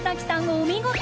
お見事！